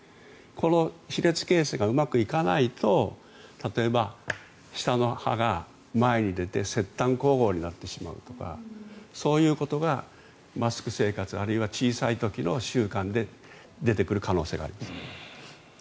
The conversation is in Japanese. この歯列形成がうまくいかないと例えば、下の歯が前に出て切端咬合になってしまうとかそういうことがマスク生活あるいは小さい時の習慣で出てくる可能性があります。